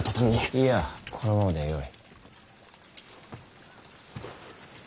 いいやこのままでよい。